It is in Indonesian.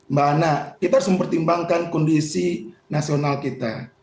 mbak nana kita harus mempertimbangkan kondisi nasional kita